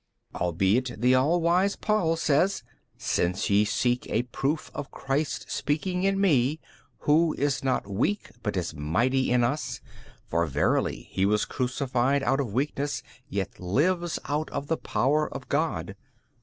B. Albeit the all wise Paul says, Since 64 ye seek a proof of Christ speaking in me, Who is not weak but is mighty in us: for verily He was crucified out of weakness yet lives out of the power of God.